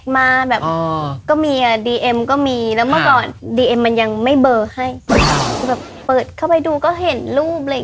เปิดเข้าไปก็เห็นรูป